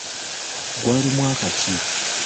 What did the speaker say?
Gwali mwaka ki?